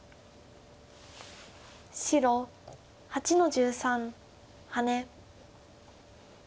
白８の十三ハネ。